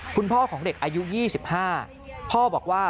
คุณพ่อของเด็กอายุ๒๕พ่อบอกว่า